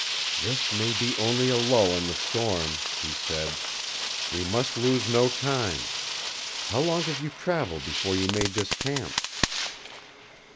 "This may be only a lull in the storm," he said. "We must lose no time. How long did you travel before you made this camp?"